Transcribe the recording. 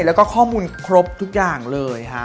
แล้วก็ข้อมูลครบทุกอย่างเลยฮะ